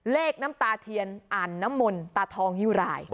เลขน้ำตาเทียนอารมณ์ตาทองิวราย